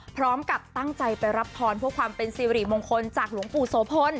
พร้อมกับตั้งใจไปรับพรเพื่อความเป็นสิริมงคลจากหลวงปู่โสพล